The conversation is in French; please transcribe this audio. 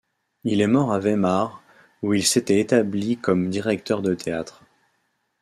Il est mort à Weimar, où il s'était établi comme directeur de théâtre.